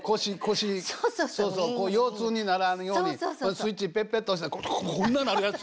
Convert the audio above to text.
腰痛にならんようにスイッチペッペッと押したらこんななるやつ！